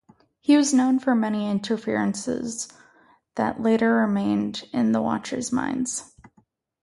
He was known for many interferences that later remained in the watchers’ minds.